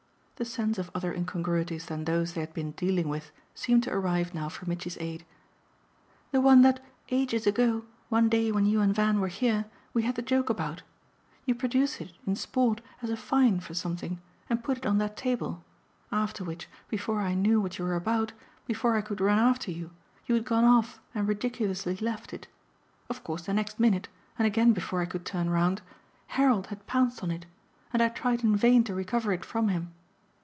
The sense of other incongruities than those they had been dealing with seemed to arrive now for Mitchy's aid. "The one that, ages ago, one day when you and Van were here, we had the joke about. You produced it, in sport, as a 'fine' for something, and put it on that table; after which, before I knew what you were about, before I could run after you, you had gone off and ridiculously left it. Of course the next minute and again before I could turn round Harold had pounced on it, and I tried in vain to recover it from him.